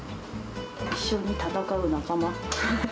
一緒に闘う仲間。